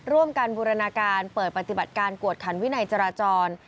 การบูรณาการเปิดปฏิบัติการกวดขันวินัยจราจร